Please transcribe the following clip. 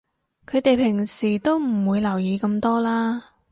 佢哋平時都唔會留意咁多啦